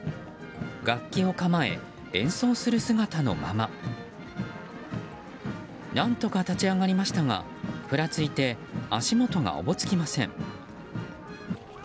楽器を構え、演奏する姿のまま何とか立ち上がりましたがふらついて足元がおぼつきません。